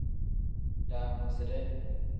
Daamuside.